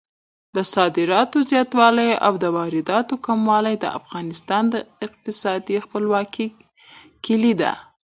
د صادراتو زیاتوالی او د وارداتو کموالی د افغانستان د اقتصادي خپلواکۍ کیلي ده.